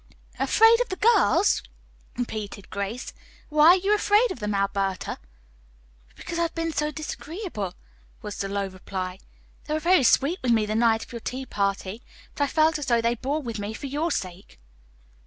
"'Afraid of the girls!'" repeated Grace. "Why are you afraid of them, Alberta?" "Because I've been so disagreeable," was the low reply. "They were very sweet with me the night of your tea party, but I felt as though they bore with me for your sake."